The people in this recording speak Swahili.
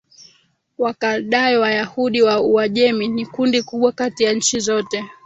Wakaldayo Wayahudi wa Uajemi ni kundi kubwa kati ya nchi zote